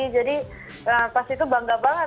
jadi pas itu bangga banget